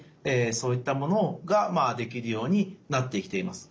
そういったものができるようになってきています。